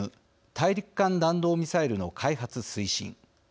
大陸間弾道ミサイルの開発推進。